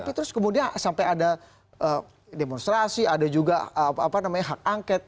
tapi terus kemudian sampai ada demonstrasi ada juga hak angket